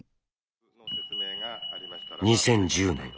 ２０１０年。